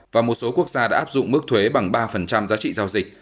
và một số quốc gia đã áp dụng mức thuế bằng ba giá trị giao dịch